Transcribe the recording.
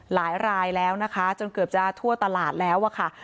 หลายรายแล้วนะคะจนเกือบจะทั่วตลาดแล้วอะค่ะ